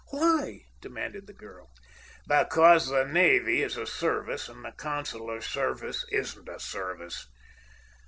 "Why?" demanded the girl. "Because the navy is a service and the consular service isn't a service.